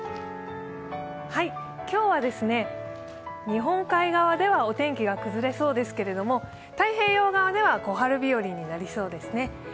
今日は日本海側ではお天気が崩れそうですけれども太平洋側では小春日和になりそうですね。